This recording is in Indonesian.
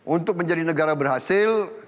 untuk menjadi negara berhasil